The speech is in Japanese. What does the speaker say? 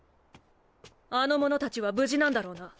あの者達は無事なんだろうな？